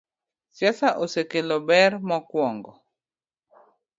Siasa osekelo ber gi rach: Mokwongo,